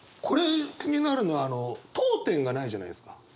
これ気になるのは読点がないじゃないですか。